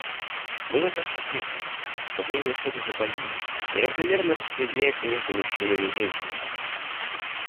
Было также отмечено, что бремя ухода за больными неравномерно распределяется между мужчинами и женщинами.